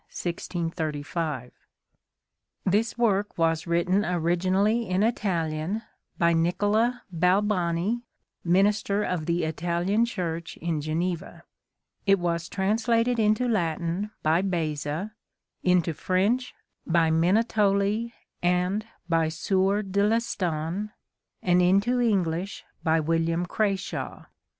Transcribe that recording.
XV This work was written originally in Italian, " by Nicola Balbani, minister of the Italian Church in Geneva. It was translated into Latin by Beza ; into French by Minutoli and by Sieur de Lestan ; and into English by William Crashaw."